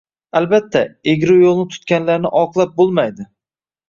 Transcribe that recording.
Albatta, egri yo'lni tutganlarni oqlab bo'lmaydi